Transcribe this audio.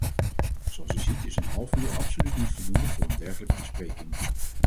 Zoals u ziet is een half uur absoluut niet voldoende voor een dergelijke bespreking.